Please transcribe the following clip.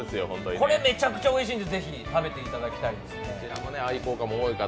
これめちゃくちゃおいしいんで、ぜひ食べていただきたいですね。